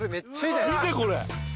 見てこれ！